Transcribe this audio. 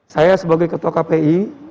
saya sebagai ketua kpi